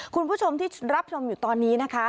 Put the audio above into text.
คุณผู้ชมที่รับชมอยู่ตอนนี้นะคะ